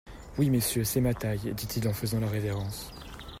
Oui, messieurs, c’est ma taille, dit-il en faisant la révérence.